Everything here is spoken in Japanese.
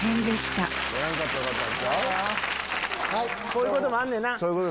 こういうこともあんねんな。